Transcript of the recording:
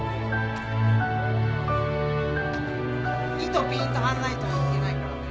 糸ピーンと張んないといけないからね。